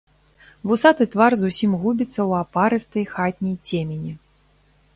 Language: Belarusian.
Вусаты твар зусім губіцца ў апарыстай хатняй цемені.